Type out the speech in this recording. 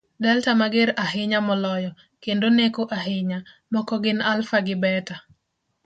Delta mager ahinya moloyo, kendo neko ahinya, moko gin Alpha gi Beta